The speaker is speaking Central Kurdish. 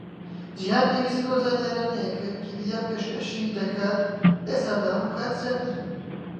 جیهان پێویستی بەو زانیاریانەیە کە ویکیپیدیا پێشکەشی دەکات، ئێستا لە هەموو کات زیاتر.